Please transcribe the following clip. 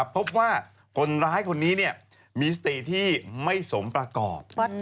พบว่าคนนี้ีสฤติทดิที่ไม่สมประกอบ